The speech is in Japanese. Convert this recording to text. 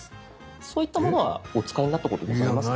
そういったものはお使いになったことございますか？